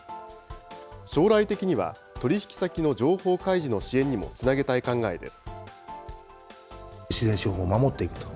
将来的には、取り引き先の情報開示の支援にもつなげたい考えです。